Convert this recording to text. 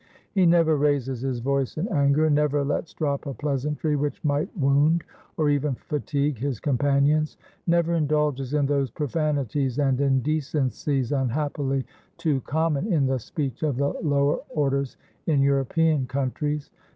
He never raises his voice in anger, never lets drop a pleasantry which might wound or even fatigue his companions, never indulges in those profanities and indecencies unhappily too common in the speech of the lower orders in European countries.